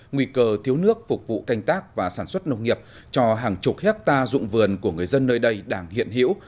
nguy cơ thiếu nước phục vụ canh tác và sản xuất nông nghiệp cho hàng chục hectare dụng vườn của người dân nơi đây đang hiện hiểu